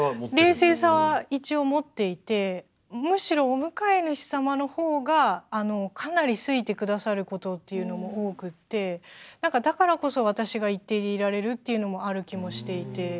冷静さは一応持っていてむしろお迎え主様の方がかなり好いて下さることっていうのも多くてなんかだからこそ私が一定でいられるっていうのもある気もしていて。